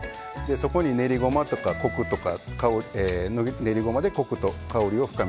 そこに練りごまとかコクとか香り練りゴマでコクと香りを深めました。